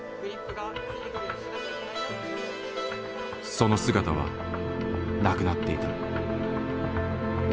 その姿はなくなっていた。